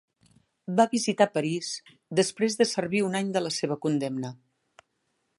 Va visitar París, després de servir un any de la seva condemna.